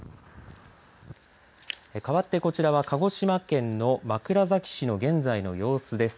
かわってこちらは鹿児島県の枕崎市の現在の様子です。